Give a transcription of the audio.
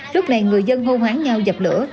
lúc này người dân hô hóa nhau dập lửa